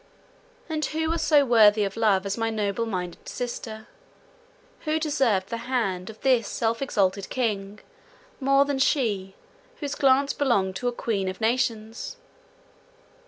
And who was so worthy of love as my noble minded sister? Who deserved the hand of this self exalted king more than she whose glance belonged to a queen of nations?